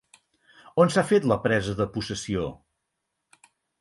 On s'ha fet la presa de possessió?